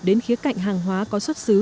đến khía cạnh hàng hóa có xuất xứ